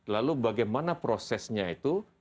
lalu bagaimana prosesnya itu